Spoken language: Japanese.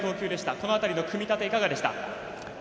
この辺りの組み立ていかがでした？